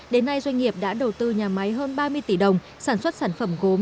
đến nay doanh nghiệp đã đầu tư nhà máy hơn ba mươi tỷ đồng sản xuất sản phẩm gốm